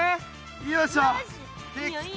よいしょできた。